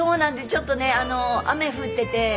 ちょっとね雨降ってて。